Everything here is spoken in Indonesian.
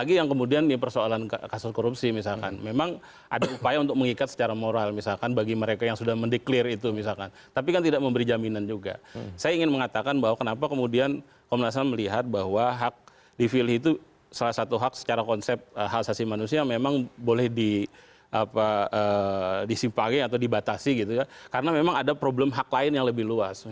ini sebenarnya saya pikir ini terjadi karena memang ada problem hak lain yang lebih luas